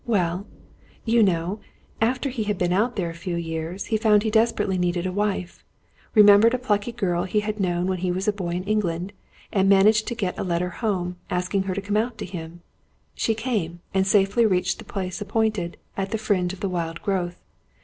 Well you know how, after he had been out there a few years, he found he desperately needed a wife; remembered a plucky girl he had known when he was a boy in England, and managed to get a letter home, asking her to come out to him? She came, and safely reached the place appointed, at the fringe of the wild growth.